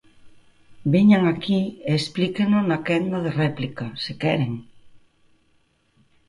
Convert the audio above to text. Veñan aquí e explíqueno na quenda de réplica, se queren.